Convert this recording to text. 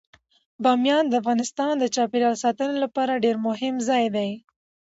بامیان د افغانستان د چاپیریال ساتنې لپاره ډیر مهم ځای دی.